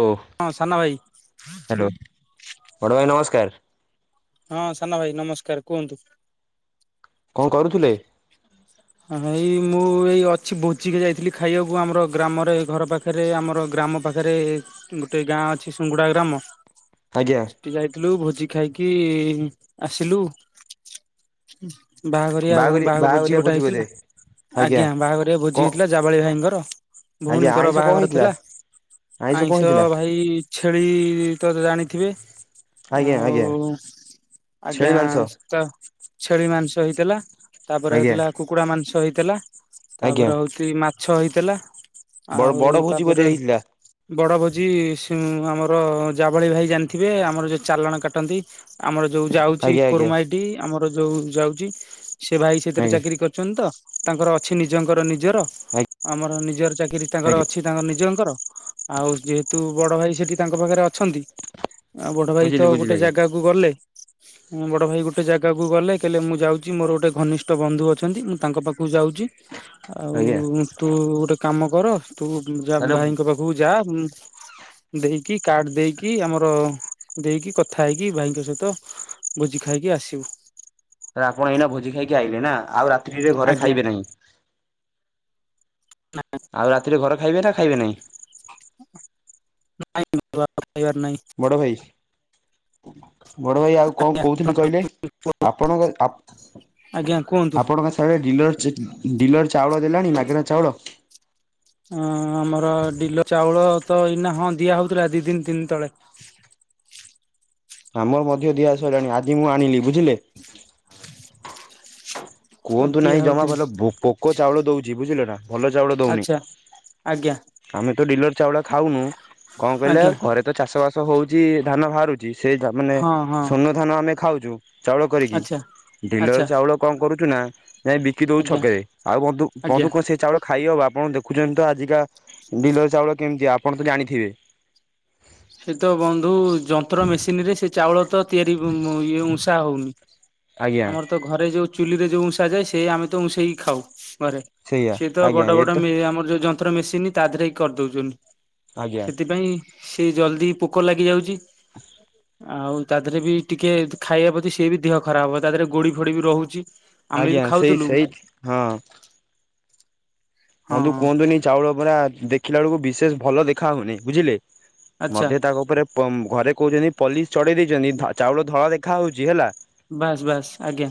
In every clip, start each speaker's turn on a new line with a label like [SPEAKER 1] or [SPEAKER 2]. [SPEAKER 1] ଓ
[SPEAKER 2] ହଁ ସାନ ଭାଇ
[SPEAKER 1] ହ୍ୟାଲୋ ବଡ଼ ଭାଇ ନମସ୍କାର।
[SPEAKER 2] ହଁ ସାନ ଭାଇ ନମସ୍କାର କୁହନ୍ତୁ।
[SPEAKER 1] କଣ କରୁଥିଲେ?
[SPEAKER 2] ହଁ ଏଇ ମୁଁ ଏଇ ଅଛି ଭୋଚିକି ଯାଇଥିଲି ଖାଇବାକୁ ଆମର ଗ୍ରାମରେ ଘର ପାଖରେ ଆମର ଗ୍ରାମ ପାଖରେ ଗୋଟେ ଗାଁ ଅଛି ସୁଙ୍ଗୁଡା ଗ୍ରାମ
[SPEAKER 1] ଆଜ୍ଞା
[SPEAKER 2] ସେଠି ଯାଇଥିଲୁ ଭୋଜି ଖାଇକି ଆସିଲୁ। ବାହା କରିବା
[SPEAKER 1] ବାହାଘରିଆ
[SPEAKER 2] ବାହା ଭୋଜି
[SPEAKER 1] ବାହାଘରିଆ
[SPEAKER 2] ଗୋଟା ହେ
[SPEAKER 1] ବୋଧେ
[SPEAKER 2] ଆଜ୍ଞା ବାହାଘର ବୁଝି
[SPEAKER 1] କଣ
[SPEAKER 2] ହେଇଥିଲା ଜାବାଳି ଭାଇଙ୍କର।
[SPEAKER 1] ଆଜ୍ଞା
[SPEAKER 2] ଭଉଣୀଙ୍କର
[SPEAKER 1] ଆଇଁଷ କଣ
[SPEAKER 2] ବାହାଘର
[SPEAKER 1] ହେଇଥିଲା
[SPEAKER 2] ଥିଲା
[SPEAKER 1] କଣ
[SPEAKER 2] ଆଇଁଷ
[SPEAKER 1] ହେଇଥିଲା
[SPEAKER 2] ଭାଇ ଛେଳି ତ ଜାଣିଥିବେ
[SPEAKER 1] ଆଜ୍ଞା
[SPEAKER 2] ଆଉ
[SPEAKER 1] ଆଜ୍ଞା ଛେଳି
[SPEAKER 2] ଆଜ୍ଞା
[SPEAKER 1] ମାଂସ
[SPEAKER 2] ତ ଛେଳି ମାଂସ ହେଇଥିଲା। ତାପରେ
[SPEAKER 1] ଆଜ୍ଞା
[SPEAKER 2] ହେଇଥିଲା କୁକୁଡା ମାଂସ ହେଇଥିଲା
[SPEAKER 1] ଆଜ୍ଞା
[SPEAKER 2] ତାପରେ ହଉଛି ମାଛ ହେଇଥିଲା।
[SPEAKER 1] ବଡ଼
[SPEAKER 2] ଆଉ
[SPEAKER 1] ବଡ଼ ଭୋଜି ବୋଧେ
[SPEAKER 2] ତାପରେ
[SPEAKER 1] ହେଇଥିଲା
[SPEAKER 2] ବଡ଼ଭୋଜି ସି ଆମର ଜଭଳି ଭାଇ ଜାଣିଥିବେ ଆମର ଯୋଉ ଚାଲାଣ କଟନ୍ତି ଆମର ଯୋଉ ଯାଉଛି
[SPEAKER 1] ଆଜ୍ଞା ଆଜ୍ଞା
[SPEAKER 2] କୋର୍ମାଇଟି ଆମର ଯୋଉ ଯାଉଛି ସେ ଭାଇ ସେଥିରେ
[SPEAKER 1] ଆଜ୍ଞା
[SPEAKER 2] ଚାକିରୀ କରି ତାଙ୍କର ଅଛି ନିଜଙ୍କର ନିଜର
[SPEAKER 1] ଆଜ୍ଞା
[SPEAKER 2] ଆମର ନିଜର ଚାକିରି ତାଙ୍କର
[SPEAKER 1] ଆଜ୍ଞା
[SPEAKER 2] ଅଛି ତାଙ୍କର ନିଜ ଆଉ ଯେହେତୁ ବଡ ଭାଇ ସେଠି ତାଙ୍କ ପାଖରେ ଅଛନ୍ତି। ଆଉ ବଡ ଭାଇ ତ
[SPEAKER 1] ବୁଝିଲି ବୁଝିଲି
[SPEAKER 2] ଗୋଟେ
[SPEAKER 1] ଆଜ୍ଞା
[SPEAKER 2] ଜାଗାକୁ ଗଲେ ବଡ ଭାଇ ଗୋଟେ। ଗୋଟେ ଜାଗାକୁ ଗଲେ କହଲେ ମୁଁ ଯାଉଛି ମୋର ଗୋଟେ ଘନିଷ୍ଠ ବନ୍ଧୁ ଅଛନ୍ତି ମୁଁ ତାଙ୍କ ପାଖକୁ ଯାଉଛି। ଆଉ
[SPEAKER 1] ଆଜ୍ଞା
[SPEAKER 2] ତୁ ଗୋଟେ କାମ କର ତୁ
[SPEAKER 1] ତାହେଲେ
[SPEAKER 2] ଭାଇଙ୍କ
[SPEAKER 1] ତାହେଲେ
[SPEAKER 2] ପାଖକୁ ଯା [inaudible] ଦେଇକି କାର୍ଡ ଦେଇକି ଆମର ଦେଇକି କଥା ହେଇକି ଭାଇଙ୍କ ସହିତ। ଭୋଜି ଖାଇକି ଆସିବୁ।
[SPEAKER 1] ଆପଣ ଏଇନା ଭୋଜି ଖାଇକି ଆଇବେ ନା ଆଉ ରାତ୍ରିରେ ଘରେ
[SPEAKER 2] ଆଜ୍ଞା।
[SPEAKER 1] ଖାଇବେ ନାହିଁ।
[SPEAKER 2] ନା।
[SPEAKER 1] ସେଥିରେ ଘର ଖାଇବେ ନା ଖାଇବେ ନାହିଁ?
[SPEAKER 2] ନାଇଁ ବା ଖାଇିବାର ନାଇଁ।
[SPEAKER 1] ବଡ ଭାଇ ଆଉ କଣ କହୁଥିଲି କହିଲେ ଆପଣଙ୍କ ଆ
[SPEAKER 2] ଆଜ୍ଞା କୁହନ୍ତୁ
[SPEAKER 1] ଆପଣଙ୍କ ସିଆଡ଼େ ଡିଲର୍-ଡିଲର ଚାଉଳ ଦେଲାଣି ମାଗେଣା ଚାଉଳ।
[SPEAKER 2] ହଁ ଆମର ଡିଲ ଚାଉଳ ତ ଇନା ହଁ ଦିଆ ହଉଥିଲା ଦି ଦିନ ତିନି ତଳେ।
[SPEAKER 1] ଆମର ମଧ୍ୟ ଦିଆସାରିଲାଣି ଆଜି ମୁଁ ଆଣିଲି ବୁଝିଲେ। କୁହନ୍ତୁ
[SPEAKER 2] ଦିଆ
[SPEAKER 1] ନାହିଁ ଜମା
[SPEAKER 2] ହଉଥିଲି
[SPEAKER 1] ଭଲ ପୋକ ଚାଉଳ ଦଉଛି ବୁଝିଲ ନା। ଭଲ ଚାଉଳ ଦଉନି
[SPEAKER 2] ଆଚ୍ଛା ଆଜ୍ଞା
[SPEAKER 1] ଆମେ ତ ଡିଲର ଚାଉଳ ଖାଉନୁ। କଣ କହିଲେ
[SPEAKER 2] ଆଜ୍ଞା
[SPEAKER 1] ଘରେ ତ ଚାଷ ବାସ ହଉଛି ଧାନ ବାହାରୁଛି ସେଇ ମାନେ
[SPEAKER 2] ହଁ ହଁ
[SPEAKER 1] ସୋନ ଧାନ ଆମେ ଖାଉଛୁ ଚାଉଳ କରିକି
[SPEAKER 2] ଆଚ୍ଛା
[SPEAKER 1] ଡିଲର
[SPEAKER 2] ଆଚ୍ଛା
[SPEAKER 1] ଚାଉଳ କଣ କରୁ ଚୁନା ଯାଇ ବିକି ଦଉ
[SPEAKER 2] ଆଜ୍ଞା
[SPEAKER 1] ଛକରେ ଆଉ
[SPEAKER 2] ଆଜ୍ଞା
[SPEAKER 1] ଧୁ-ବନ୍ଧୁ କଣ ସେ ଚାଉଳ ଖାଇବ ବା ଆପଣ ଦେଖୁଛନ୍ତି ତ ଆଜିକା ବିଲ ଚାଉଳ କେମିତି ଆପଣ ତ ଜାଣିଥିବେ।
[SPEAKER 2] ସେ ତ ବନ୍ଧୁ ଯନ୍ତ୍ର ମେସିନ୍ ରେ ସେ ଚାଉଳ ତ ତିଆରି ଇ ଉଷା ହଉନି।
[SPEAKER 1] ଆଜ୍ଞା
[SPEAKER 2] ଆମର ତ ଘରେ ଯୋଉ ଚୁଲିରେ ଯୋଉ ଉଷା ଯାଏ ସେ ଆମେ ତ ଉଷେଇକି ଖାଉ।। ଘରେ
[SPEAKER 1] ସେଇଆ
[SPEAKER 2] ସିଏ ତ
[SPEAKER 1] ଆଜ୍ଞା
[SPEAKER 2] ବଡ
[SPEAKER 1] ଏ
[SPEAKER 2] ବଡ ଆମର ଯୋଉ ଯନ୍ତ୍ର ମେସିନ ତା ଦେହରେ ହିଁ କରିଦଉଛନ୍ତି।
[SPEAKER 1] ଆଜ୍ଞା
[SPEAKER 2] ସେଥିପାଇଁ ସେ ଜଲଦି ପୋକ ଲାଗିଯାଉଛି। ଆଉ ତା ଦେହ ବି ଟିକେ ଖାଇବା ପ୍ରତି ସିଏ ବି ଦେହ ଖରାପ ହବ, ତା ଦେହରେ ଗୋଡି ଫୋଡି ବି ରହୁଛି। ଆମେ ବି
[SPEAKER 1] ଆଜ୍ଞା ସେଇ
[SPEAKER 2] ଖାଉଥିଲୁ
[SPEAKER 1] ସେଇଟି ହଁ।
[SPEAKER 2] ହଁ
[SPEAKER 1] ହଁନ୍ତୁ କୁହନ୍ତୁନି ଚାଉଳ ପୁରା ଦେଖିଲା ବେଳକୁ ବିଶେଷ ଭଲ ଦେଖା ହଉନି ବୁଝିଲେ।
[SPEAKER 2] ଆଚ୍ଛା
[SPEAKER 1] ମୋତେ ତାଙ୍କ ଉପରେ ଘରେ କହୁଛନ୍ତି ପଲିସ୍ ଚଢ଼େଇ ଦେଇଛନ୍ତି, ଚାଉଳ ଧଳା ଦେଖାହଉଛି ହେଲା
[SPEAKER 2] ବାସ୍ ବାସ୍ ଆଜ୍ଞା।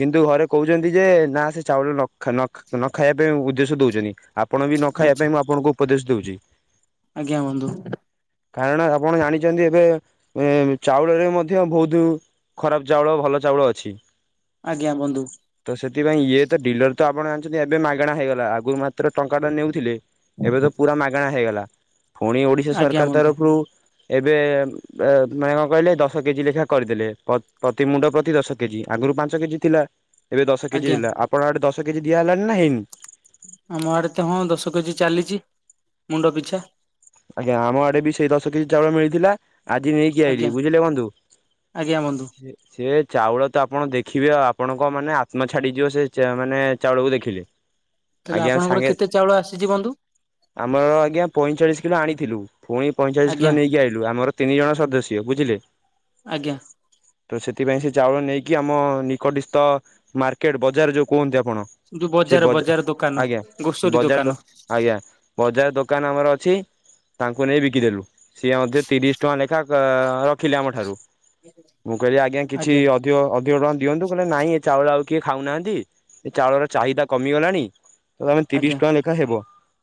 [SPEAKER 1] କିନ୍ତୁ ଘରେ କହୁଛନ୍ତି ଯେ ନା ସେ ଚାଉଳ ନ ଖା ନ ଖା ନ ଖାଇବା ପାଇଁ ଉଦ୍ଦେଶ୍ୟ ଦଉଛନ୍ତି। ଆପଣ ବି ନ ଖାଇବା
[SPEAKER 2] ଆଚ୍ଛା।
[SPEAKER 1] ପାଇଁ ମୁଁ ଆପଣଙ୍କୁ ଉପଦେଶ ଦଉଛି।
[SPEAKER 2] ଆଜ୍ଞା ବନ୍ଧୁ।
[SPEAKER 1] କାରଣ ଆପଣ ଜାଣିଛନ୍ତି ଏବେ ଚାଉଳରେ ମଧ୍ୟ ବହୁତ ଖରାପ ଚାଉଳ ଭଲ ଚାଉଳ ଅଛି।
[SPEAKER 2] ଆଜ୍ଞା ବନ୍ଧୁ
[SPEAKER 1] ତ ସେଥିପାଇଁ ଇଏ ତ ଡିଲର ତ ଆପଣ ଜାଣିଛନ୍ତି, ଏବେ ମାଗଣା ହେଇଗଲା। ଆଗରୁ ମାତ୍ର ଟଙ୍କା ଟା ନେଉଥିଲେ, ଏବେ ତ ପୁରା ମାଗଣା ହେଇଗଲା। ପୁଣି ଓଡିଶା
[SPEAKER 2] ଆଜ୍ଞା
[SPEAKER 1] ସରକାର
[SPEAKER 2] ବନ୍ଧୁ
[SPEAKER 1] ତରଫରୁ ଏବେ ମାନେ କଣ କହିଲେ ଦଶ କେଜି ଲେଖା କରିଦେଲେ ପ୍ରତି ମୁଣ୍ଡ ପ୍ରତି ଦଶ କେଜି। ଆଗରୁ ପାଞ୍ଚ କେଜି ଥିଲା, ଏବେ ଦଶ କେଜି
[SPEAKER 2] ଆଜ୍ଞା
[SPEAKER 1] ଥିଲା ଆପଣ ଆଡେ ଦଶ କେଜି ଦିଆହେଲାଣିି ନା ହେଇନି?
[SPEAKER 2] ଆମ ଆଡେ ତ ହଁ ଦଶ କେଜି ଚାଲିଛି ମୁଣ୍ଡ ପିଛା।
[SPEAKER 1] ଆଜ୍ଞା ଆମ ଆଡେ ବି ସେଇ ଦଶ କେଜି ଚାଉଳ ମିଳିଥିଲା ଆଜି ନେଇକି ଆଇଲି,
[SPEAKER 2] ଆଜ୍ଞା
[SPEAKER 1] ବୁଝିଲେ ବନ୍ଧୁ,
[SPEAKER 2] ଆଜ୍ଞା ବନ୍ଧୁ।
[SPEAKER 1] ସେ ଚାଉଳ ତ ଆପଣ ଦେଖିବେ ଆଉ ଆପଣଙ୍କ ମାନେ ଆତ୍ମା ଛାଡିଯିବ ସେ ମାନେ ଚାଉଳକୁ ଦେଖିଲେ।
[SPEAKER 2] ତାହେଲେ
[SPEAKER 1] ଆଜ୍ଞା,
[SPEAKER 2] ଆପଣଙ୍କର
[SPEAKER 1] ସାଙ୍ଗେ
[SPEAKER 2] କେତେ ଚାଉଳ ଆସିଛି ବନ୍ଧୁ
[SPEAKER 1] ଆମର ଆଜ୍ଞା ପଇଁଚାଳିଶି କିଲୋ ଆଣିଥିଲୁ ପୁଣି ପଇଁଚାଳିଶ
[SPEAKER 2] ଆଜ୍ଞା
[SPEAKER 1] କିଲୋ ନେଇକି ଆଇଲୁ ଆମର ତିନି ଜଣ ସଦସ୍ୟ ବୁଝିଲେ।
[SPEAKER 2] ଆଜ୍ଞା।
[SPEAKER 1] ତ ସେଥିପାଇଁ ସେ ଚାଉଳ ନେଇକି ଆମ ନିକଟସ୍ତ ମାର୍କେଟ ବଜାର ଯୋଉ କୁହନ୍ତି କଣ
[SPEAKER 2] ଯୋଉ
[SPEAKER 1] ସେ
[SPEAKER 2] ବଜାର
[SPEAKER 1] ବଜା
[SPEAKER 2] ବଜାର ଦୋକାନ
[SPEAKER 1] ଆଜ୍ଞା
[SPEAKER 2] ଗ୍ରୋସରୀ ଦୋକାନ
[SPEAKER 1] ବଜାର ଦୋକାନ ଆମର ଅଛି ତାଙ୍କୁ ନେଇ ବିକିଦେଲୁ, ସିଏ ମଧ୍ୟ ତିରିଶ ଟଙ୍କା ଲେଖା ରଖିଲେ ଆମ ଠାରୁ। ମୁଁ କହିଲି ଆଜ୍ଞା କିଛି ଅଧିକ ଅଧିକ ଟଙ୍କା ଦିଅନ୍ତୁ, କହିଲେ ନାଇଁ ଏ ଚାଉଳ ଆଉ କିଏ ଖାଉନାହାନ୍ତି ଏ ଚାଉଳର ଚାହିଦା କମିଗଲାଣି ତ ତମେ ତିରିଶ
[SPEAKER 2] ଆଜ୍ଞା
[SPEAKER 1] ଟଙ୍କା ଲେଖା ହେବ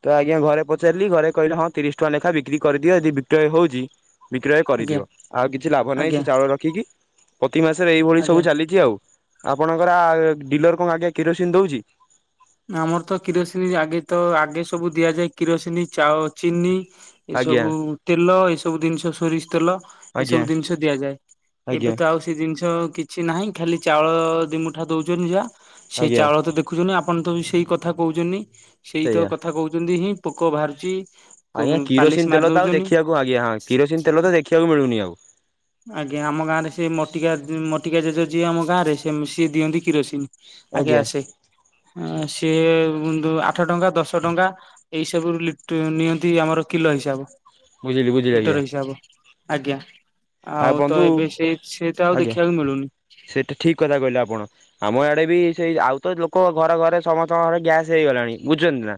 [SPEAKER 1] ତ ଆଜ୍ଞା ଘରେ ପଚାରିଲି ଘରେ କହିଲେ ହଁ ତିରିଶ ଟଙ୍କା ଲେଖା ବିକ୍ରି କରିଦିଅ ଯଦି ବିକ୍ରୟ ହଉଛି ବିକ୍ରୟ
[SPEAKER 2] ଆଜ୍ଞା
[SPEAKER 1] କରିଦିଅ ଆଉ କିଛି ଲାଭ ନାହିଁ
[SPEAKER 2] ଆଜ୍ଞା
[SPEAKER 1] ସେ ଚାଉଳ ରଖିକି ପ୍ରତି ମାସରେ ଏଇଭଳି
[SPEAKER 2] ଆଜ୍ଞା
[SPEAKER 1] ସବୁ ଚାଲିଛି ଆଉ। ଆପଣଙ୍କର ଡିଲର କଣ ଆଜ୍ଞା କିରୋସିନ ଦଉଛି।
[SPEAKER 2] ଆମର ତ କିରୋସିନି ଆଗେ ତ ଆଗେ ସବୁ ଦିଆଯାଏ କିରୋସିନି, ଚିନି ଏ
[SPEAKER 1] ଆଜ୍ଞା
[SPEAKER 2] ସବୁ ତେଲ ଏ ସବୁ ଜିନିଷ ସୋରିଷ ତେଲ ଏସବୁ
[SPEAKER 1] ଆଜ୍ଞା
[SPEAKER 2] ଜିନିଷ ଦିଆଯାଏ, ଏବେ
[SPEAKER 1] ଆଜ୍ଞା
[SPEAKER 2] ତ ଆଉ ସେ ଜିନିଷ କିଛି ନାହିଁ ଖାଲି ଚାଉଳ ଦିମୁଠା ଦଉଛନ୍ତି ଯାହା, ସେଇ
[SPEAKER 1] ଆଜ୍ଞା।
[SPEAKER 2] ଚାଉଳ ତ ଦେଖୁଛନ୍ତି ଆପଣ ତ ବି ସେଇ କଥା କହୁଛନ୍ତି ସେଇ ତ
[SPEAKER 1] ସେଇଆ
[SPEAKER 2] କଥା କହୁଛନ୍ତି ହିଁ ପୋକ ବାହାରୁଛି।
[SPEAKER 1] ଆଜ୍ଞା
[SPEAKER 2] ପାଲିସ
[SPEAKER 1] କିରୋସିନ
[SPEAKER 2] ମାରି
[SPEAKER 1] ତେଲ ତ ଆଉ
[SPEAKER 2] ଦଉଛନ୍ତି
[SPEAKER 1] ଦେଖିବାକୁ ଆଜ୍ଞା ହଁ କିରୋସିନ ତେଲ ତ ଦେଖିବାକୁ ମିଳୁନି ଆଉ।
[SPEAKER 2] ଆଜ୍ଞା ଆମ ଗାଁ ରେ ସେ ମଟିକା ଟିକ ଯିଏ ଆମ ଗାଁରେ ସେ ସିଏ ଦିଅନ୍ତି କିରୋସିନ ଆଗେ
[SPEAKER 1] ଆଜ୍ଞା
[SPEAKER 2] ଆସେ। ସିଏ ଆଠ ଟଙ୍କା, ଦଶ ଟଙ୍କା, ଏଇ ସବୁ ନିଅନ୍ତି ଆମର କିଲୋ। ହିସାବ
[SPEAKER 1] ବୁଝିଲି ବୁଝିଲି ଆଜ୍ଞା
[SPEAKER 2] ଲିଟର ହିସାବ, ଆଜ୍ଞା।
[SPEAKER 1] ଆଉ
[SPEAKER 2] ତ
[SPEAKER 1] ବନ୍ଧୁ
[SPEAKER 2] ଏବେ ସେ ସେ ତ ଆଉ
[SPEAKER 1] ଆଜ୍ଞା
[SPEAKER 2] ଦେଖିବାକୁ ମିଳୁନି
[SPEAKER 1] ସେଟା ଠିକ କଥା କହିଲେ ଆପଣ ଆମ ଆଡେ ବି ସେଇ ଆଉ ତ ଲୋକ ଘରେ ଘରେ ସମସ୍ତଙ୍କ ଘରେ ଗ୍ୟାସ ହେଇଗଲାଣି ବୁଝୁଛନ୍ତି ନା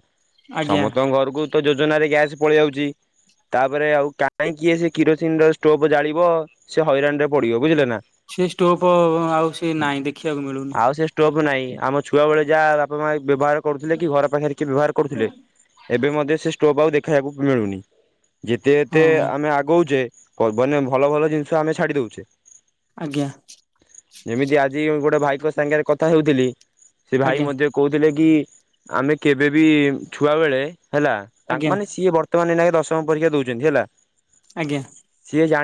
[SPEAKER 2] ଆଜ୍ଞା।
[SPEAKER 1] ସମସ୍ତଙ୍କ ଘରକୁ ଯୋଜନାରେ ଗ୍ୟାସ୍ ପଳେଇ ଯାଉଛି, ତାପରେ ଆଉ କାହିକି କିରୋସିନ ର ଷ୍ଟୋଭ୍ ଜାଳ ସେ ହଇରାଣ ରେ ପଡିବ ବୁଝିଲେ ନା
[SPEAKER 2] ସେ ଷ୍ଟୋପ ଆଉ ସେ ନାହିଁ ଦେଖିବାକୁ ମିଳୁନି
[SPEAKER 1] ଆଉ ସେ ଷ୍ଟୋଭ ନାହିଁ, ଆମ ଛୁଆ ବେଳେ ଯାହା [unintelligible] ବ୍ୟବହାର କରୁଥିଲେ କି? ଘର ପାଖରେ କିଏ ବ୍ୟବହାର କରୁଥିଲେ? ଏବେ ମଧ୍ୟ ସେ ଷ୍ଟୋବ୍ ଆଉ ଦେଖେଇବାକୁ ମିଳୁନି ଯେତେ
[SPEAKER 2] ହଁ
[SPEAKER 1] ଯେତେ ଆମେ ଆଗଉଛେ [unintelligible] ମାନେ ଭଲ ଭଲ ଜିନିଷ ଆମେ ଛାଡି ଦଉଛେ।
[SPEAKER 2] ଆଜ୍ଞା
[SPEAKER 1] ଯେମିତି ଆଜି ଗୋଟେ ଭାଇଙ୍କ ସାଙ୍ଗରେ କଥା ହେଉଥିଲି, ସେ ଭାଇ
[SPEAKER 2] ଆଜ୍ଞା।
[SPEAKER 1] ମଧ୍ୟ କହୁଥିଲେ କି ଆମେ କେବେ ବି ଛୁଆ ବେଳେ ହେଲା, ତାଙ୍କ
[SPEAKER 2] ଆଜ୍ଞା
[SPEAKER 1] ମାନେ ସିଏ ବର୍ତ୍ତମାନେ ନାହିଁ ଦଶମ ପରୀକ୍ଷା ଦଉଛନ୍ତି ହେଲା
[SPEAKER 2] ଆଜ୍ଞା।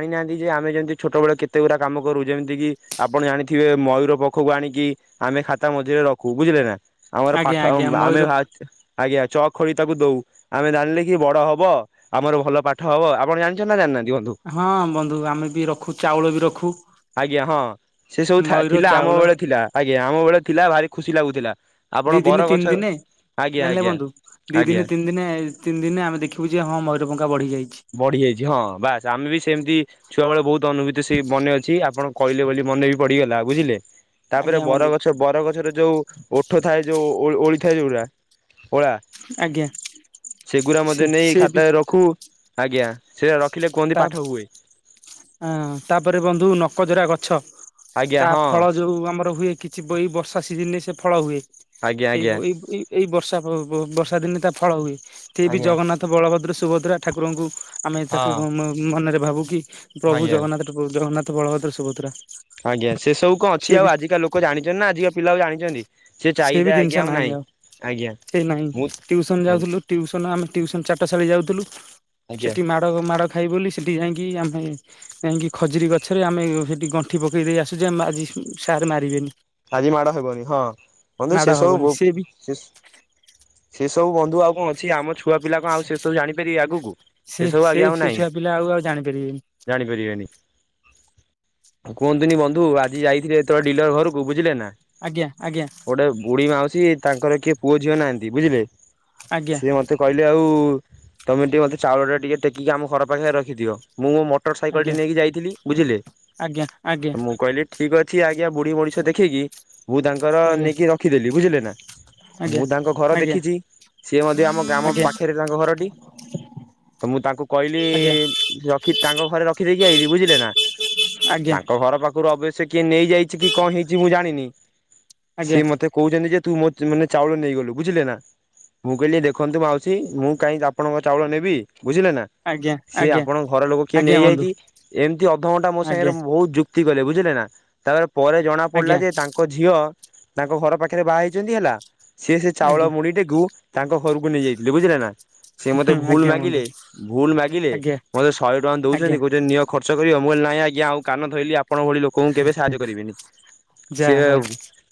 [SPEAKER 1] ନିହାତି ଯେ ଆମେ ଯେମିତି ଛୋଟବେଳେ କେତେ ଗୁଡା କାମ କରୁ, ଯେମିତି କିି ଆପଣ ଜାଣିଥିବେ ମୟୂର ପଖକୁ ଆଣିକି ଆମେ ଖାତା ମଝିରେ ରଖୁ ବୁଝିଲେ ନା ଆମର
[SPEAKER 2] ଆଜ୍ଞା
[SPEAKER 1] ପାଠ
[SPEAKER 2] ଆଜ୍ଞା
[SPEAKER 1] [unintelligible] ଆମେ
[SPEAKER 2] ମୟୂର
[SPEAKER 1] ଭା ଆଜ୍ଞା ଚକ୍ ଖୋଳି ତାକୁ ଦଉ। ଆମେ ଜାଣିଲେ କି ବଡ ହବ, ଆମର ଭଲ ପାଠ ହବ, ଆପଣ ଜାଣିଛନ୍ତି ନା ଜାଣିନାହାନ୍ତି? ବନ୍ଧୁ
[SPEAKER 2] ହଁ, ମଦ୍ ହୁଁ ଆମେ ବି ରଖୁ ଚାଉଳ ବି ରଖୁ
[SPEAKER 1] ଆଜ୍ଞା ହଁ ସେ ସବୁ
[SPEAKER 2] ମୟୂର
[SPEAKER 1] ଥିଲା ଆମ
[SPEAKER 2] ଚାଉଳ।
[SPEAKER 1] ବେଳେ ଥିଲା ଆଜ୍ଞା, ଆମ ବେଳେ ଥିଲା ଭାରି ଖୁସି ଲାଗୁଥିଲା। ଆପଣ
[SPEAKER 2] ଦି
[SPEAKER 1] ବର
[SPEAKER 2] ଦିନେ
[SPEAKER 1] ଗଛ
[SPEAKER 2] ତିନି ଦିନେ
[SPEAKER 1] ଆଜ୍ଞା
[SPEAKER 2] ଜାଣିଲେ
[SPEAKER 1] ଆଜ୍ଞା
[SPEAKER 2] ବନ୍ଧୁ ଦି
[SPEAKER 1] ଆଜ୍ଞା
[SPEAKER 2] ଦିନେ ତିନି ଦିନେ ତିନି ଦିନେ ଆମେ ଦେଖିବୁ ଯେ ହଁ ମୟୂର ପଂଖା ବଢିଯାଇଛି।
[SPEAKER 1] ବଢିଯାଇଛି। ହଁ, ବାସ୍ ଆମେ ବି ସେମିତି ଛୁଆ ବେଳେ ବହୁତ୍ ଅନୁଭୂତି ସେ ମନେ ଅଛି ଆପଣଙ୍କ କହିଲେ ବୋଲି ମନେ ବି ପଡିଗଲା। ବୁଝିଲେ? ତାପରେ
[SPEAKER 2] ଆଜ୍ଞା ବନ୍ଧୁ
[SPEAKER 1] ବରଗଛ ବରଗଛର ଯୋଉ ଓଠ ଥାଏ ଯୋଉ ଓଳ ଓଳିଥାଏ ଯୋଉଗୁଡା କଳା
[SPEAKER 2] ଆଜ୍ଞା
[SPEAKER 1] ସେଗୁଡା
[SPEAKER 2] ସେ
[SPEAKER 1] ମଧ୍ୟ ନେଇ
[SPEAKER 2] ସେ ବି
[SPEAKER 1] ଖାତାରେ ରଖୁ। ଆଜ୍ଞା, ସେ ରଖ୍
[SPEAKER 2] ତାପ୍ ଏ ତାପରେ ବନ୍ଧୁ ନକ ଜରା ଗଛ।
[SPEAKER 1] ଆଜ୍ଞା
[SPEAKER 2] ତା
[SPEAKER 1] ହଁ
[SPEAKER 2] ଫଳ ଯୋଉ ଆମର ହୁଏ କିଛି ବଇ ଏ ବର୍ଷା ସିଜନ୍ ରେ ସେ ଫଳ ହୁଏ।
[SPEAKER 1] ଆଜ୍ଞା
[SPEAKER 2] ଏଇ ବ
[SPEAKER 1] ଆଜ୍ଞା।
[SPEAKER 2] ଏଇ ଏଇ ଏଇ ବର୍ଷା ବ ବ ବର୍ଷା ଦିନେ ତା ଫଳ ହୁଏ। ସେ ବି
[SPEAKER 1] ଆଜ୍ଞା
[SPEAKER 2] ଜଗନ୍ନାଥ, ବଳଭଦ୍ର, ସୁଭଦ୍ରା ଠାକୁରଙ୍କୁ କୁ
[SPEAKER 1] ହଁ
[SPEAKER 2] ମ ମ ମନରେ ଭାବୁ କି ପ୍ରଭୁ
[SPEAKER 1] ଆଜ୍ଞା
[SPEAKER 2] ଜଗନ୍ନାଥ ଠାକୁ ଜଗନ୍ନାଥ, ବଳଭଦ୍ର, ସୁଭଦ୍ରା।
[SPEAKER 1] ଆଜ୍ଞା, ସେ ସବୁ କ'ଣ
[SPEAKER 2] ସେ
[SPEAKER 1] ଅଛି
[SPEAKER 2] ବି
[SPEAKER 1] ଆଉ ଆଜିକା ଲୋକ ଜାଣିଛନ୍ତି ନା ଆଜିକା ପିଲା ଆଉ ଜାଣିଛନ୍ତି।
[SPEAKER 2] ସେ ବି ଜିନିଷ ନାହିଁ ଆଉ।
[SPEAKER 1] ଆଜ୍ଞା
[SPEAKER 2] ସେ ନାହିଁ
[SPEAKER 1] ମୁଁ
[SPEAKER 2] ଟିଉସନ୍ ଯାଉଥିଲୁ ଟିଉସନ୍ ଆମେ ଟିଉସନ୍ ଚା ଟଶାଳୀ ଯାଉଥିଲୁ
[SPEAKER 1] ଆଜ୍ଞା
[SPEAKER 2] ସେଠି ମାଡ଼ ମାଡ଼ ଖାଇ ବୋଲି ସେଠି ଯାଇକି ଆମେ ଯାଇକି ଖଜୁରୀ ଗଛରେ ଆମେ ସେଠି ଗଣ୍ଠି ପକେଇ ଦେଇେକି ଆସୁ ଯେ ଆମେ ଆଜି ସ୍ୟା ସାର୍ ମାରିବେନି।
[SPEAKER 1] ଆଜି ମାଡ ହେବନି ହଁ ବନ୍ଧୁ
[SPEAKER 2] ମାଡ଼
[SPEAKER 1] ସେ ସବୁ
[SPEAKER 2] ହବନି ସେ
[SPEAKER 1] ବହୁ
[SPEAKER 2] ବି
[SPEAKER 1] ସେସ୍ ସେସ୍ ତୋ ବନ୍ଧୁ ଆଉ କ'ଣ ଅଛି ଆମ ଛୁ ଛୁଆ ପିଲା କ'ଣ ଆଉ ସେ ସବୁ ଜାଣିପାରିବେ ଆଗକୁ ସେ ସବୁ ଆଜ୍ଞା ଆଉ
[SPEAKER 2] ସେ
[SPEAKER 1] ନାହିଁ।
[SPEAKER 2] ଛୁଆ ପିଲା ଆଉ ଆଉ ଜାଣିପାରିବେନି
[SPEAKER 1] ଜାଣିପାରିବେନି। କୁହନ୍ତିନି ବନ୍ଧୁ ଆଜି ଯାଇଥିଲେ ତୋ ଡିଲର୍ ଘରକୁ ବୁଝିଲେ ନା।
[SPEAKER 2] ଆଜ୍ଞା ଆଜ୍ଞା
[SPEAKER 1] ଗୋଟେ ବୁଢୀ ମାଉସୀ ତାଙ୍କର କିଏ ପୁଅ ଝିଅ ନାହାନ୍ତି ବୁଝିଲେ।
[SPEAKER 2] ଆଜ୍ଞା
[SPEAKER 1] ସିଏ ମତେ କହିଲେ ଆଉ ତମେ ଟିକେ ମତେ ଚାଉଳ ଟା ଟିକେ ଟେକି କି ଆମ ଘର ପାଖରେ ରଖିଦିଅ। ମୁଁ ମୋ ମ ଟର୍ ସାଇକେଲ ଟି
[SPEAKER 2] ଆଜ୍ଞା
[SPEAKER 1] ନେଇକି ଯାଇଥିଲି ବୁଝିଲେ,
[SPEAKER 2] ଆଜ୍ଞା ଆଜ୍ଞା
[SPEAKER 1] ମୁଁ କହିଲି ଠିକ୍ ଅଛି ଆଜ୍ଞା, ବୁଢୀ ମଣି ଛ ଦେଖିକି ମୁଁ ତାଙ୍କର
[SPEAKER 2] ଆଜ୍ଞା
[SPEAKER 1] ନେଇକି ରଖିଦେଲି ବୁଝିଲେ ନା।
[SPEAKER 2] ଆଜ୍ଞା
[SPEAKER 1] ମୁଁ ତାଙ୍କ ଘର
[SPEAKER 2] ଆଜ୍ଞା
[SPEAKER 1] ଦେଖିଛି, ସିଏ ମଧ୍ୟ ଆମ ଗ୍ରାମ
[SPEAKER 2] ଆଜ୍ଞା
[SPEAKER 1] ପାଖରେ ତାଙ୍କ ଘରଟି। ତ ମୁଁ ତାଙ୍କୁ କହିଲି
[SPEAKER 2] ଆଜ୍ଞା
[SPEAKER 1] ରଖି ତାଙ୍କ ଘରେ ରଖିଦେଇକି ଆଇଲିି ବୁଝିଲେ ନା।
[SPEAKER 2] ଆଜ୍ଞା
[SPEAKER 1] ତାଙ୍କ ଘର ପାଖରୁ ଅବି ସେ କିଏ ନେଇଯାଇଛି କି କ'ଣ ହେଇଛି ମୁଁ ଜାଣିନି
[SPEAKER 2] ଆଜ୍ଞା
[SPEAKER 1] ସିଏ ମତେ କହୁଛନ୍ତି ଯେ ତୁ ମୋ ମାନେ ଚାଉଳ ନେଇ ଗଲୁ ବୁଝିଲେ ନା। ମୁଁ କହିଲି ଦେଖନ୍ତୁ ମାଉସୀ ମୁଁ କାହିଁକି ଆପଣଙ୍କ ଚାଉଳ ନେବି। ବୁଝିଲେ ନା,
[SPEAKER 2] ଆଜ୍ଞା
[SPEAKER 1] ସିଏ
[SPEAKER 2] ଆଜ୍ଞା
[SPEAKER 1] ଆପଣଙ୍କ ଘରଲୋକ କିଏ
[SPEAKER 2] ଆଜ୍ଞା ବନ୍ଧୁ
[SPEAKER 1] ନେଇଯାଇଛି। ଏମିତି ଅଧଘଣ୍ଟା ମୋ ସାଙ୍ଗରେ
[SPEAKER 2] ଆଜ୍ଞା
[SPEAKER 1] ବହୁତ ଯୁକ୍ ତି କଲେ ବୁଝିଲେ ନା। ତା ପରେ ଜଣା ପଡିଲା
[SPEAKER 2] ଆଜ୍ଞା
[SPEAKER 1] ଯେ ତାଙ୍କ ଝିଅ ତାଙ୍କ ଘର ପାଖରେ ବାହା ହେଇଛନ୍ତି ହେଲା ସିଏ ସେ ଚାଉଳ
[SPEAKER 2] ଆଜ୍ଞା
[SPEAKER 1] ମୁଢିଟେକୁ ତାଙ୍କ ଘରକୁ ନେଇଯାଇଥିଲେ ବୁଝିଲେ ନା। ସେ ମତେ
[SPEAKER 2] ହୁଁ
[SPEAKER 1] ଭୁଲ୍
[SPEAKER 2] ଆଜ୍ଞା ବନ୍ଧୁ
[SPEAKER 1] ମାଗିଲେ ଭୁଲ୍ ମାଗିଲେ
[SPEAKER 2] ଆଜ୍ଞା
[SPEAKER 1] ମତେ ଶହେ ଟଙ୍କା
[SPEAKER 2] ଆଜ୍ଞା
[SPEAKER 1] ଦଉଛନ୍ତି କହୁଛନ୍ତି ନିଅ ଖର୍ଚ୍ଚ କରିବ। ମୁଁ ଅଇଲି ନାହିଁ ଆଜ୍ଞା! ଆଉ କାନ ଧଇଲି ଆପଣ ଭଳି ଲୋକଙ୍କୁ କେବେ ସାହାଯ୍ୟ କରିବିନି।
[SPEAKER 2] ଯାହା
[SPEAKER 1] ସେଏ
[SPEAKER 2] ହଉ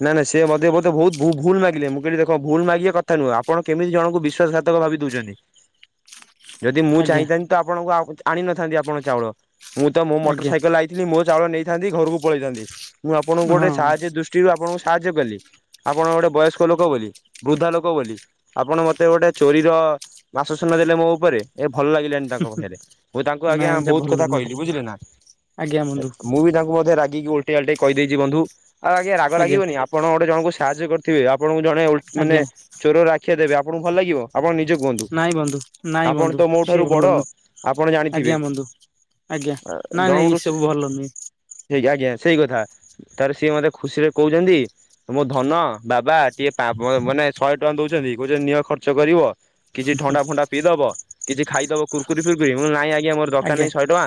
[SPEAKER 1] ନା ନାଇଁ ସେ ମଧ୍ୟ୍ୟ ମତେ ବହୁତ ଭୁ-ଭୁଲ୍ ମାଗିଲେ, ମୁଁ କହିଲି ଦେଖ ଭୁଲ୍ ମାଗିବା କଥା ନୁହଁ। ଆପଣ କେମିତି ଜଣକୁ ବିଶ୍ୱାସଘାତକ ଭାବି ଦେଉଛନ୍ତି? ନି,
[SPEAKER 2] ଆଜ୍ଞା
[SPEAKER 1] ଯଦି ମୁଁ ଚାହିଁଥାନ୍ତି ତ ଆପଣଙ୍କୁ ଆଣିନଥାନ୍ତି, ଆପଣ ଚାଉଳ ମୁଁ ତ ମୋ ମୋଟର
[SPEAKER 2] ଆଜ୍ଞା
[SPEAKER 1] ସାଇକେଲ ଆଇଥିଲି। ମୋ ଚାଉଳ ନେଇଥାନ୍ତି। ଘରକୁ ପଳେଇଥାନ୍ତି, ମୁଁ ଆପଣଙ୍କୁ ଗୋଟେ
[SPEAKER 2] ହଁ
[SPEAKER 1] ସାହାଯ୍ୟ ଦୃଷ୍ଟିରୁ ଆପଣଙ୍କୁ ସାହାଯ୍ୟ କଲି। ଆପଣ ଗୋଟେ ବୟସ୍କ ଲୋକ ବୋଲି, ବୃଦ୍ଧା ଲୋକ ବୋଲି, ଆପଣ ମତେ ଗୋଟେ ଚୋରିର ବାସସେନ ଦେଲେ ମୋ ଉପରେ ଏ ଭଲ ଲାଗିଲାନି ତାଙ୍କ ପାଖରେ, ମୁଁ ତାଙ୍କୁ ଆଜ୍ଞା
[SPEAKER 2] ନାଇଁ ଏଇଟା
[SPEAKER 1] ବହୁତ
[SPEAKER 2] ଭଲ
[SPEAKER 1] କଥା
[SPEAKER 2] ନୁହେଁ
[SPEAKER 1] କହିଲି ବୁଝିଲେ ନା।
[SPEAKER 2] ଆଜ୍ଞା ବନ୍ଧୁ
[SPEAKER 1] ମୁଁ ବି ତାଙ୍କୁ ମଧ୍ୟ ରାଗ ଗିକି ଓଲଟେଆଲଟେଇ କହିଦେଇଛି ବନ୍ଧୁ। ଆଜ୍ଞା ରାଗ ଲାଗିବନି ଆପଣ ଗୋଟେ ଜଣଙ୍କୁ ସାହାଯ୍ୟ କରିଥିବେ ଆପଣଙ୍କୁ ଜଣେ ଓଲ୍ ମାନେ
[SPEAKER 2] ଆଜ୍ଞା
[SPEAKER 1] ଚୋରର ଆଖ୍ୟା ଦେବେ। ଆପଣଙ୍କୁ ଭଲ ଲାଗିବ। ଆପଣ ନିଜ କୁୁହନ୍ତୁ।
[SPEAKER 2] ନାଇଁ ବନ୍ଧୁ ନାଇଁ
[SPEAKER 1] ଆପଣ
[SPEAKER 2] ବନ୍ଧୁ
[SPEAKER 1] ତ ମୋ
[SPEAKER 2] ସିଏ
[SPEAKER 1] ଠାରୁ ବଡ!
[SPEAKER 2] ଭଲ ନୁହେଁ
[SPEAKER 1] ଆପଣ
[SPEAKER 2] ଆଜ୍ଞା
[SPEAKER 1] ଜାଣିଥିବେ?
[SPEAKER 2] ବନ୍ଧୁ ଆଜ୍ଞା ନାଇଁ ନାଇଁ ଏ
[SPEAKER 1] ଜଣକଉଠୁସେ
[SPEAKER 2] ସବୁ ଭଲ ନୁହେଁ
[SPEAKER 1] ହେ ଆଇ ସେଇ କଥା ତାର ସିଏ ମତେ ଖୁସିରେ କହୁଛନ୍ତି। ତ ମୋ ଧନ ବାବା ଟିକେ ପା ବ ମାନେ ଶହେ ଟଙ୍କା ଦଉଛନ୍ତି କହୁଛନ୍ତି ନିଅ ଖର୍ଚ୍ଚ କରିବ। କିଛି ଥଣ୍ଡା ଫଣ୍ଡା ପିଇଦବ କିଛି ଖାଇଦବ କୁର୍କୁରି ଫୁର୍କୁରି। ମୁଁ ଅଇଲି ନାଇଁ ଆ କି ଆମର ଦରକାର
[SPEAKER 2] ଆଜ୍ଞା
[SPEAKER 1] ନାହିଁ ଶହେ ଟଙ୍କା।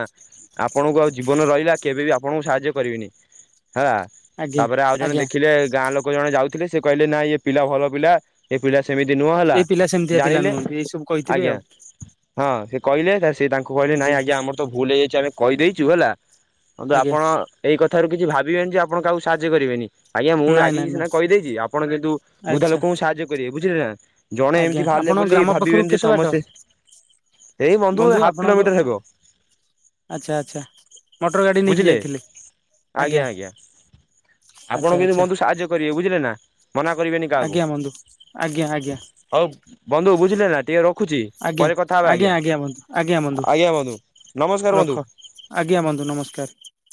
[SPEAKER 1] ଆପଣଙ୍କୁ ଆଉ ଜୀବନ ରହିଲା କେବେ ବିି ଆପଣଙ୍କୁ ସାହାଯ୍ୟ କରିବିନି। ହେଲା,
[SPEAKER 2] ଆଜ୍ଞା
[SPEAKER 1] ତାପରେ ଆଉ ଜଣେ
[SPEAKER 2] ଆଜ୍ଞା
[SPEAKER 1] ଦେଖିଲେ ଗାଁ ଲୋକ ଜଣେ ଯାଉଥିଲେ ସେ କହିଲେ ନାଇଁ ଏ ପିଲା ଭଲ ପିଲା ଏ ପିଲା ସେମିତି ନୁହଁ ହେଲା
[SPEAKER 2] ଏଇ ପିଲା ସେମିତିଆ ପିଲା
[SPEAKER 1] ଜାଣିଲେ
[SPEAKER 2] ନୁହନ୍ତି ଏଇ ସବୁ କହିଥିବେ
[SPEAKER 1] ଆଜ୍ଞା
[SPEAKER 2] ଆଉ
[SPEAKER 1] ହଁ। କହିଲେ, ସେ ତାଙ୍କୁ କହିଲେ,
[SPEAKER 2] ଆଜ୍ଞା
[SPEAKER 1] ନାଇଁଜ୍ଞା ଆମର ତ ଭୁଲ ହେଇଯାଇଛି ଆମେ କହିଦେଇଛୁ ହେଲା। ହନ୍ତୁ
[SPEAKER 2] ଆଜ୍ଞା
[SPEAKER 1] ଆପଣ ଏଇ କଥାାରୁ କିଛି ଭାବିବେନି ଯେ ଆପଣ କାହାକୁ ସାହାଯ୍ୟ କରିବେନି। ଆଜ୍ଞା, ମୁଁ
[SPEAKER 2] ନାଇଁ ନାଇଁ
[SPEAKER 1] ରାଗିକି ସିନା
[SPEAKER 2] ନାଇଁ
[SPEAKER 1] କହିଦେଇଛି। ଆପଣ କିନ୍ତୁ ବୃଦ୍ଧା
[SPEAKER 2] ଆଚ୍ଛା
[SPEAKER 1] ଲୋକଙ୍କୁ ସାହାଯ୍ୟ କରିବେ। ବୁଝିଲେ ନା ଜଣେ ଏମିତି
[SPEAKER 2] ଆଜ୍ଞା
[SPEAKER 1] ଭହାରିଲେ
[SPEAKER 2] ଆପଣଙ୍କ
[SPEAKER 1] ବୋଲି
[SPEAKER 2] ଗ୍ରାମ ପାଖରୁ
[SPEAKER 1] ଭାବିବେନି ଯେ
[SPEAKER 2] କେତେ ବାଟ
[SPEAKER 1] ସମସ୍ତେ ଏଇ ବନ୍ଧୁ ହାଫ କିଲୋମିଟର ହେବ।
[SPEAKER 2] ଆଚ୍ଛା ଆଚ୍ଛା ମଟର ଗାଡି ନେଇକି
[SPEAKER 1] ବୁଝିଲେ
[SPEAKER 2] ଯାଇଥିଲେ?
[SPEAKER 1] ଆଜ୍ଞା ଆଜ୍ଞା,
[SPEAKER 2] ଆଚ୍ଛା
[SPEAKER 1] ଆପଣ କିନ୍ତୁ
[SPEAKER 2] ଆଚ୍ଛା
[SPEAKER 1] ବନ୍ଧୁ ସାହାଯ୍ୟ କରିବେ ବୁଝିଲେ ନା? ମନା କରିବେନି କାହାକୁ।
[SPEAKER 2] ଆଜ୍ଞା ବନ୍ଧୁ ଆଜ୍ଞା ଆଜ୍ଞା
[SPEAKER 1] ହଉ ବନ୍ଧୁ ବୁଝିଲେ ନା ଟିକେ ରକ ରଖୁଛି
[SPEAKER 2] ଆଜ୍ଞା
[SPEAKER 1] ପରେ କଥା ହେବା ଆଜ୍ଞା।
[SPEAKER 2] ବନ୍ଧୁ ଆଜ୍ଞା ବନ୍ଧୁ
[SPEAKER 1] ଆଜ୍ଞା ବନ୍ଧୁ ନମସ୍କାର!
[SPEAKER 2] ରଖ
[SPEAKER 1] ବନ୍ଧୁ
[SPEAKER 2] ଆଜ୍ଞା, ବୁନ୍ଧୁ ନମସ୍କାର!